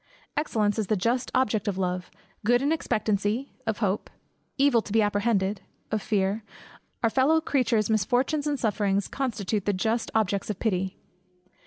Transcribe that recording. Excellence is the just object of love; good in expectancy, of hope; evil to be apprehended, of fear; our fellow creatures' misfortunes, and sufferings, constitute the just objects of pity.